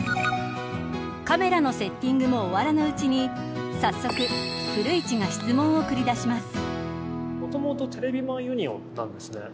カメラのセッティングも終わらぬうちに早速、古市が質問を繰り出します。